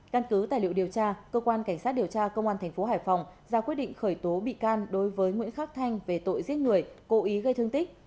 căn cứ tài liệu điều tra cơ quan cảnh sát điều tra công an tp hải phòng ra quyết định khởi tố bị can đối với nguyễn khắc thanh về tội giết người cố ý gây thương tích